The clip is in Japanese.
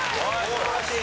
素晴らしい！